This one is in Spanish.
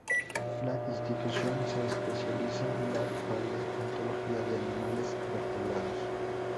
La institución se especializa en la paleontología de animales vertebrados.